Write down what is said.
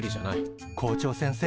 校長先生